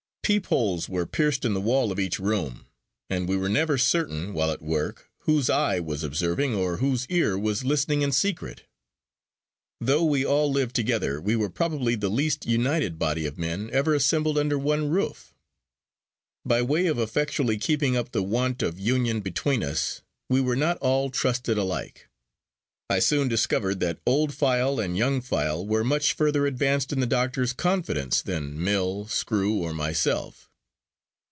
Peepholes were pierced in the wall of each room, and we were never certain, while at work, whose eye was observing, or whose ear was listening in secret. Though we all lived together, we were probably the least united body of men ever assembled under one roof. By way of effectually keeping up the want of union between us, we were not all trusted alike. I soon discovered that Old File and Young File were much further advanced in the doctor's confidence than Mill, Screw, or myself.